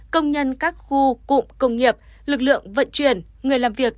công nhân các khu cụm công nghiệp lực lượng vận chuyển người làm việc